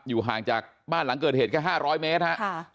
ห่างจากบ้านหลังเกิดเหตุแค่๕๐๐เมตรฮะ